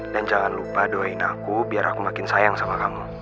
dan jangan lupa doain aku biar aku makin sayang sama kamu